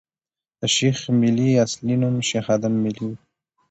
د شېخ ملي اصلي نوم شېخ ادم ملي ؤ.